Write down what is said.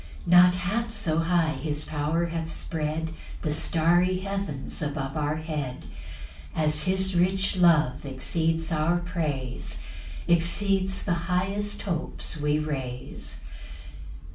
2 Not half so high his power hath spread The starry heavens above our head, As his rich love exceeds our praise, Exceeds the highest hopes we raise.